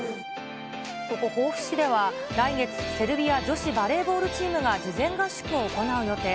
ここ防府市では、来月、セルビア女子バレーボールチームが事前合宿を行う予定。